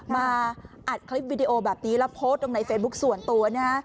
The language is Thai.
มาอัดคลิปวิดีโอแบบนี้แล้วโพสต์ลงในเฟซบุ๊คส่วนตัวนะฮะ